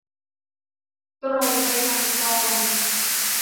ตรงไปยังคลอง